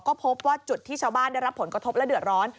ก็พบว่าจุดที่ชาวบ้านได้รับผลกระทบและเดือดร้อน